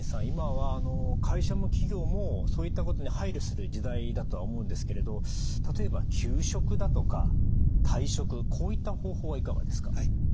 今は会社も企業もそういったことに配慮する時代だとは思うんですけれど例えば休職だとか退職こういった方法はいかがですか？